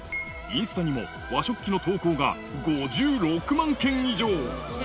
インスタにも和食器の投稿が５６万件以上。